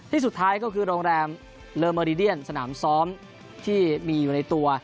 ที่สุดท้ายก็คือโรงแรมสนามซ้อมที่มีอยู่ในตัว